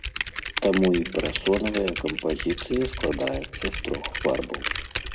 Таму і парасонавая кампазіцыя складаецца з трох фарбаў.